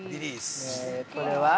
◆えー、これは？